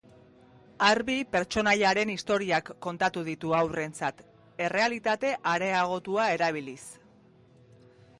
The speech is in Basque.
Arbi pertsonaiaren historiak kontatu ditu haurrentzat errealitate areagotua erabiliz.